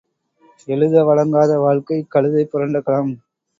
எழுத வழங்காத வாழ்க்கை கழுதை புரண்ட களம்.